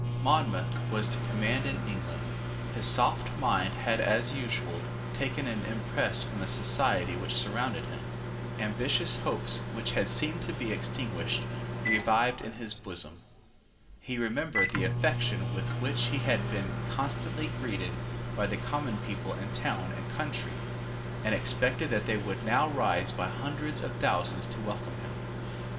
Monmouth was to command in England. His soft mind had as usual, taken an impress from the society which surrounded him. Ambitious hopes, which had seemed to be extinguished, revived in his bosom. He remembered the affection with which he had been constantly greeted by the common people in town and country, and expected that they would now rise by hundreds of thousands to welcome him.